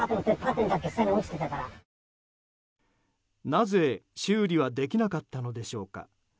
なぜ修理はできなかったのでしょうか。